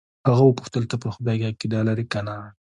هغه وپوښتل ته پر خدای عقیده لرې که نه.